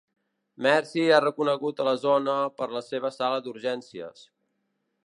Mercy és reconegut a la zona per la seva sala d'urgències.